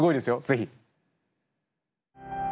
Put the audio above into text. ぜひ。